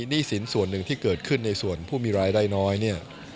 หนี้สินส่วนหนึ่งที่เกิดขึ้นในส่วนผู้มีรายได้น้อยเนี่ย